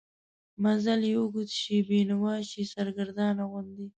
منزل یې اوږد شي، بینوا شي، سرګردانه غوندې